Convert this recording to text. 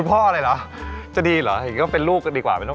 ก็มีเหตุผล